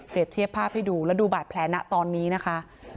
เทียบภาพให้ดูและดูบาดแผลนะตอนนี้นะคะ